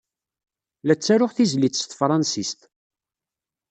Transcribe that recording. La ttaruɣ tizlit s tefṛensist.